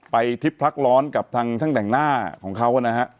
ทิพลักร้อนกับทางช่างแต่งหน้าของเขานะฮะ